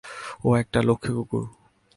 ও একটা লক্ষ্মী কুকুর।